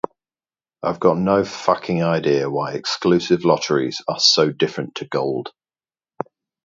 I've got no fucking idea why exclusive lotteries are so different to gold.